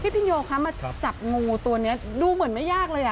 พินโยคะมาจับงูตัวนี้ดูเหมือนไม่ยากเลยอ่ะ